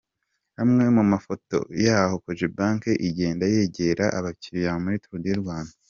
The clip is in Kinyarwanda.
Amwe mu mafoto y’aho Cogebanque igenda yegera abakiliya muri Tour du Rwanda.